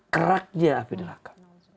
keraknya api neraka